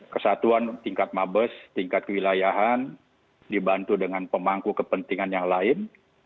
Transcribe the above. kesatuan tingkat mabes tingkat kewilayahan dibantu dengan pemangku kepentingan yang lain